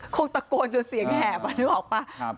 คงตะโกนจนเสียงแหบนึกออกป่ะ